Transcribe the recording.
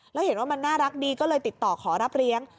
แล้วเห็นว่ามันน่ารักดีก็เลยติดต่อขอรับเลี้ยง